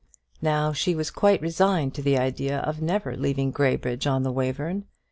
Now she was quite resigned to the idea of never leaving Graybridge on the Wayverne.